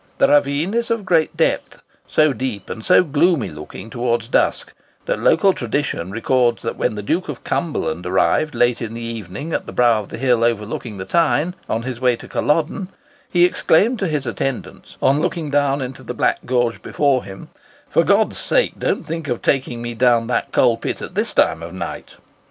The ravine is of great depth—so deep and so gloomy looking towards dusk, that local tradition records that when the Duke of Cumberland arrived late in the evening at the brow of the hill overlooking the Tyne, on his way to Culloden, he exclaimed to his attendants, on looking down into the black gorge before him, "For God's sake, don't think of taking me down that coal pit at this time of night!"